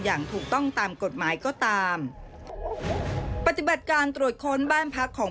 อย่างถูกต้องตามกฎหมายก็ตามปฏิบัติการตรวจค้นบ้านพักของ